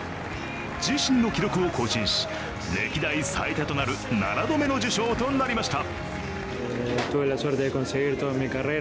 自身の記録を更新し、歴代最多となる７度目の受賞となりました。